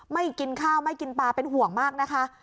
กินข้าวไม่กินปลาเป็นห่วงมากนะคะ